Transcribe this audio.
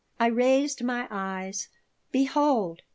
I raised my eyes. Behold!